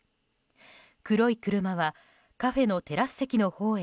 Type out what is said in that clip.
黒い車はカフェのテラス席のほうへ